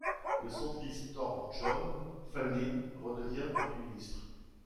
Le centriste Thorbjörn Fälldin redevient Premier ministre.